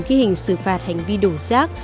ghi hình xử phạt hành vi đổ rác